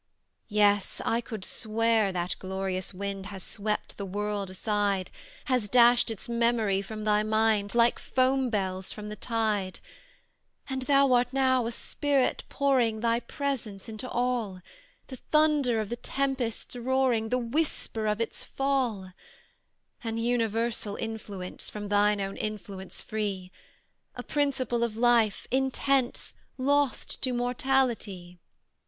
"Yes I could swear that glorious wind Has swept the world aside, Has dashed its memory from thy mind Like foam bells from the tide: "And thou art now a spirit pouring Thy presence into all: The thunder of the tempest's roaring, The whisper of its fall: "An universal influence, From thine own influence free; A principle of life intense Lost to mortality.